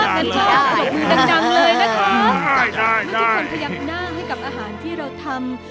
พี่ส่วนตะยังหน้าให้กับอาหารที่เราทำ